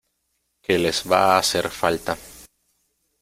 que les va a hacer falta.